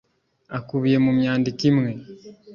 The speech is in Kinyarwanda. akubiye mu myandiko imwe